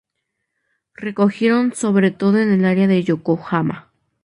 Recogieron sobre todo en el área de Yokohama.